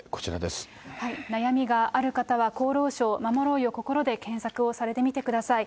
悩みがある方は、厚労省、まもろうよこころで、検索をされてみてください。